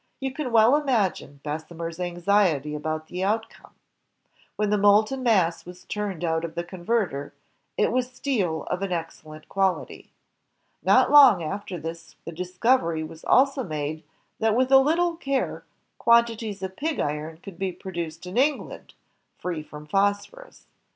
You can well imagine Bessemer 's anxiety about the outcome. When the molten mass was turned out of the converter, it was steel of an excellent quality. Not long after this the discovery was also made that with a little care quan tities of pig iron could be produced in England, free from phos^onis.